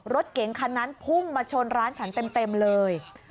รถเก๋งคันนั้นพุ่งมาชนร้านฉันเต็มเลย